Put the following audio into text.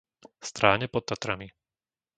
Stráne pod Tatrami